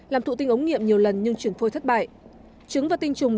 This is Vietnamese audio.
làm thụ tinh ống nghiệm nhiều lần nhưng chuyển phôi thất bại